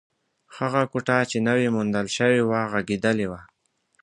هغه کوټه چې نوې موندل شوې وه، غږېدلې وه.